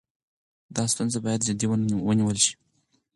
دا ستونزه باید جدي ونیول شي.